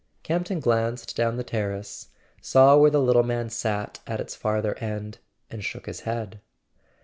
Campton glanced down the terrace, saw where the little man sat at its farther end, and shook his head.